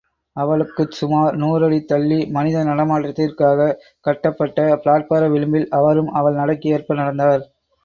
அவளுக்குச் சுமார் நூறடி தள்ளி மனித நடமாட்டத்திற்காகக் கட்டப்பட்ட பிளாட்டார விளிம்பில் அவரும் அவள் நடைக்கு ஏற்ப நடந்தார்.